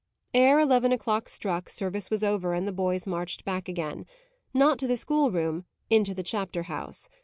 Ere eleven o'clock struck, service was over, and the boys marched back again. Not to the schoolroom into the chapter house.